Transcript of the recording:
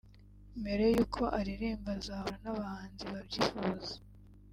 mbere y’uko aririmba azahura n’abahanzi babyifuza